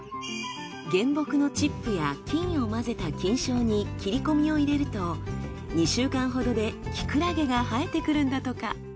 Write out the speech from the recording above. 原木のチップや菌を混ぜた菌床に切り込みを入れると２週間ほどでキクラゲが生えてくるんだとか。